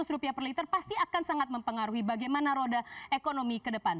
rp lima ratus per liter pasti akan sangat mempengaruhi bagaimana roda ekonomi ke depan